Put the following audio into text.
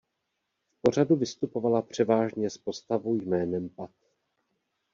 V pořadu vystupovala převážně s postavou jménem Pat.